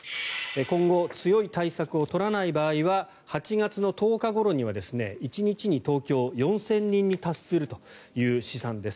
今後、強い対策を取らない場合は８月の１０日ごろには１日に東京、４０００人に達するという試算です。